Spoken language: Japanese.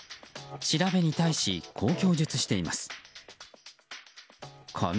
調べに対し、こう供述しています。